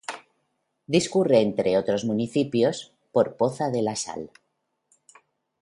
Discurre entre otros municipios por Poza de la Sal.